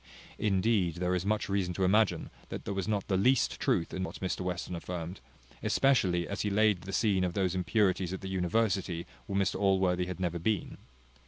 Indeed, there is much reason to imagine that there was not the least truth in what Mr Western affirmed, especially as he laid the scene of those impurities at the university, where Mr Allworthy had never been.